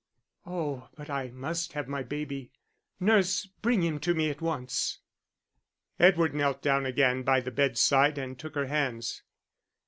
"Oh, but I must have my baby. Nurse, bring him to me at once." Edward knelt down again by the bedside and took her hands.